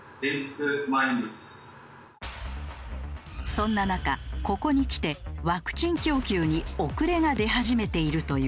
そんな中ここにきてワクチン供給に遅れが出始めているという。